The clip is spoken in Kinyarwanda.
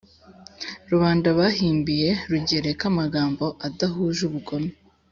rubanda bahimbiye rugereka amagambo adahuje ubugome;